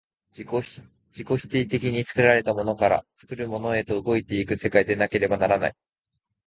自己否定的に作られたものから作るものへと動いて行く世界でなければならない。